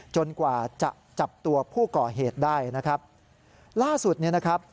กว่าจะจับตัวผู้ก่อเหตุได้นะครับล่าสุดเนี่ยนะครับ